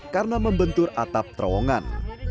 karena membentur atap terowongan